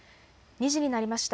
２時になりました。